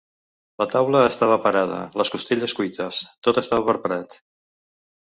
La taula estava parada, les costelles cuites, tot estava preparat.